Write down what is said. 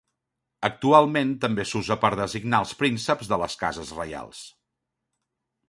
Actualment també s'usa per designar els prínceps de les cases reials.